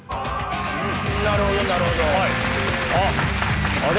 なるほどなるほどはいあっあれ？